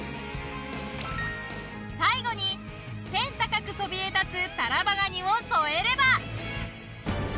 最後に天高くそびえ立つタラバガニを添えれば。